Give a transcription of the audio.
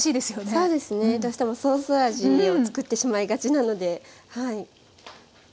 そうですねどうしてもソース味を作ってしまいがちなので。